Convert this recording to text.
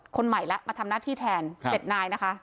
คนใหม่แล้วมาทำหน้าที่แทน๗นายนะคะ